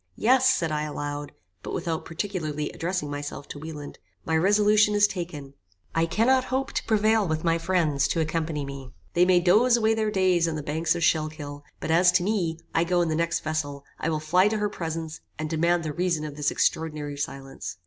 "Yes," said I aloud, but without particularly addressing myself to Wieland, "my resolution is taken. I cannot hope to prevail with my friends to accompany me. They may doze away their days on the banks of Schuylkill, but as to me, I go in the next vessel; I will fly to her presence, and demand the reason of this extraordinary silence."